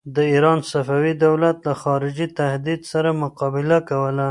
د ایران صفوي دولت له خارجي تهدید سره مقابله کوله.